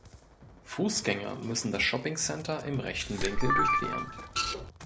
Fußgänger müssen das Shopping Center im rechten Winkel durchqueren.